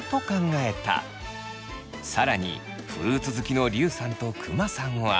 更にフルーツ好きのりゅうさんとくまさんは。